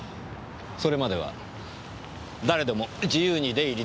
それまでは誰でも自由に出入り出来たわけですね？